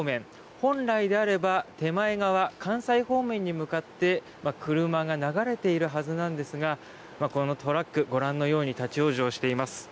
本来であれば手前側関西方面に向かって車が流れているはずなんですがこのトラック、ご覧のように立ち往生しています。